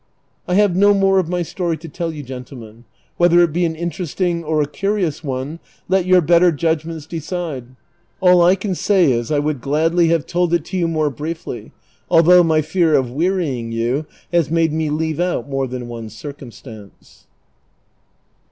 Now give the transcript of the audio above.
I have no more of my story to tell you, gentlemen ; whether it he an interesting or a curious one let your better judgments decide ; all I can say is I would gladly have told it to you more briefly ; although my fear of wearying you has made me leave out more than one cir cumstance.